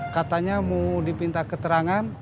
katanya mau dipinta keterangan